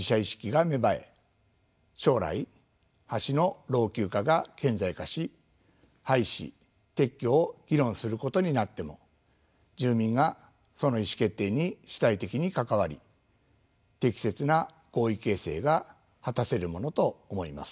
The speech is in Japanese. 将来橋の老朽化が顕在化し廃止・撤去を議論することになっても住民がその意思決定に主体的に関わり適切な合意形成が果たせるものと思います。